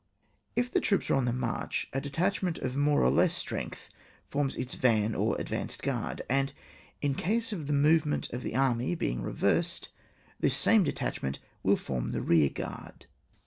If the troops are on the march, a detachment of more or less strength forms its van or advanced g^ard, and in case of the movement of the army being reversed, this same detachment will form the rearguard.